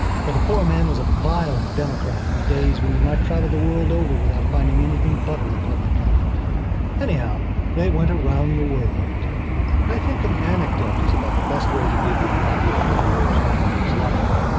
For the poor old man was a violent Democrat in days when you might travel the world over without finding anything but a Republican. Anyhow, they went round the world. I think an anecdote is about the best way to give you an idea of what the old gentleman was like.